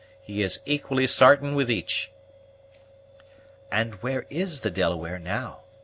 He is equally sartain with each." "And where is the Delaware now?